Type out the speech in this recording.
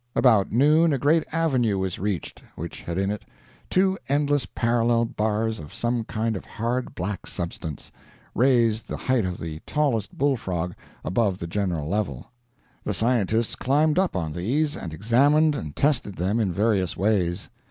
About noon a great avenue was reached, which had in it two endless parallel bars of some kind of hard black substance, raised the height of the tallest Bull Frog above the general level. The scientists climbed up on these and examined and tested them in various ways.